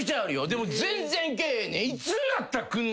でも全然けえへんねん。